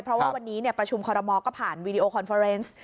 เพราะว่าวันนี้ประชุมคอรมอลก็ผ่านวีดีโอคอนเฟอร์เนส